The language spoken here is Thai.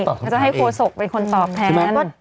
ก็จะให้โฆษกเป็นคนตอบแทน